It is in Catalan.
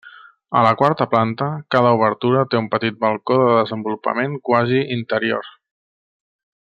A la quarta planta, cada obertura té un petit balcó de desenvolupament quasi interior.